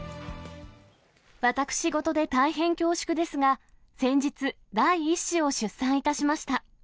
私ごとで大変恐縮ですが、先日、第１子を出産いたしました。